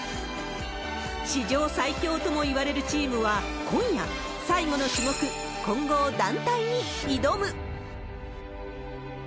史上最強ともいわれるチームは今夜、最後の種目、混合団体に挑む。